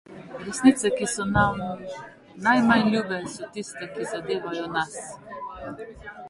Resnice, ki so nam najmanj ljube, so tiste, ki zadevajo nas.